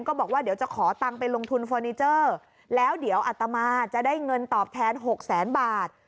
ก็บอกว่าเดี๋ยวจะขอตังไปลงทุนฟอนิเจอร์แล้วเดี๋ยวอาตมาจะได้เงินตอบแทนนึง๖๐๐๐๐๐บาท